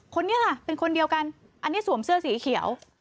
คนนี้ค่ะเป็นคนเดียวกันอันนี้สวมเสื้อสีเขียว